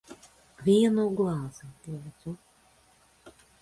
Vienu glāzi. Lūdzu.